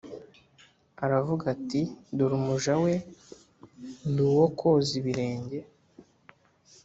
aravuga ati Dore umuja we ndi uwo koza ibirenge